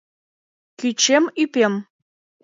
кӱчем, ӱпем